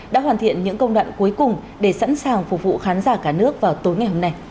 đã hoàn thiện những công đoạn cuối cùng để sẵn sàng phục vụ khán giả cả nước vào tối ngày hôm nay